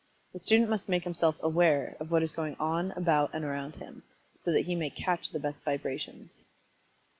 The student must make himself "aware" of what is going on about and around him, so that he may "catch" the best vibrations.